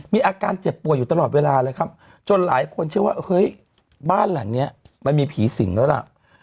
มีอาการเจ็บป่วยอยู่ตลอดเวลาเลยครับจนหลายคนเชื่อว่าเฮ้ยบ้านหลังนี้มันมีผีสิงแล้วล่ะ